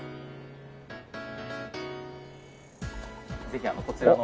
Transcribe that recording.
ぜひこちらの。